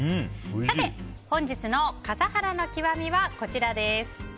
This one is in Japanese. さて、本日の笠原の極みはこちらです。